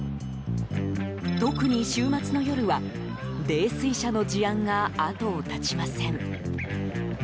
特に週末の夜は泥酔者の事案が後を絶ちません。